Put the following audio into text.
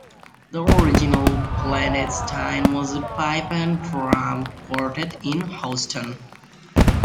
The original Clandestine was a pipe-and-drum quartet in Houston.